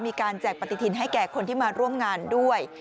แจกปฏิทินให้แก่คนที่มาร่วมงานด้วย